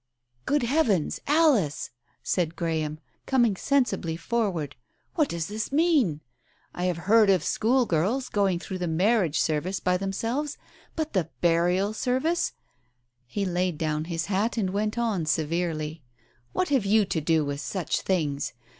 ..." "Good heavens, Alice 1 " said Graham, coming sensibly forward, " what does this mean ? I have heard of schoolgirls going through the marriage service by themselves, but the burial service " He laid down his hat and went on severely, "What have you to do with such things